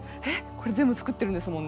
これ全部作ってるんですもんね！